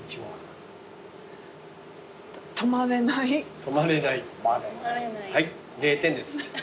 「止まれない」「止まれない」はい０点です。